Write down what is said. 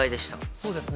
そうですね。